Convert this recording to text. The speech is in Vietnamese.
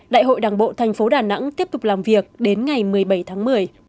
đại hội đảng bộ thành phố đà nẵng tiếp tục làm việc đến ngày một mươi bảy tháng một mươi